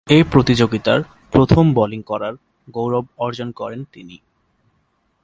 এ প্রতিযোগিতার প্রথম বোলিং করার গৌরব অর্জন করেন তিনি।